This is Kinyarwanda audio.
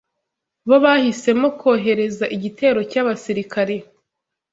bo bahisemo kohereza igitero cy’abasirikare